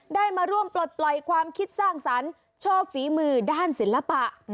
ได้มาร่วมปลดปล่อยความคิดสร้างสรรค์ชอบฝีมือด้านศิลปะ